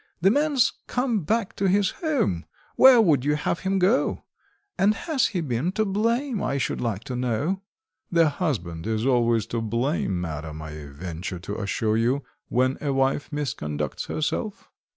The man's come back to his home where would you have him go? And has he been to blame, I should like to know!" "The husband is always to blame, madam, I venture to assure you, when a wife misconducts herself."